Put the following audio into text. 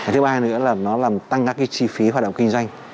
thứ ba nữa nó làm tăng các chi phí hoạt động kinh doanh